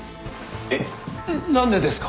えっ何でですか？